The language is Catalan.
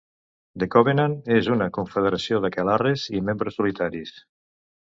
The Covenant és una confederació d'aquelarres i membres solitaris.